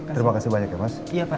terima kasih banyak ya mas